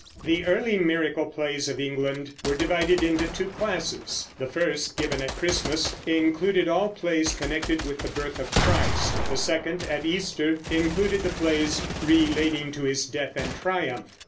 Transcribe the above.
The early Miracle plays of England were divided into two classes: the first, given at Christmas, included all plays connected with the birth of Christ; the second, at Easter, included the plays relating to his death and triumph.